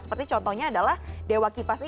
seperti contohnya adalah dewa kipas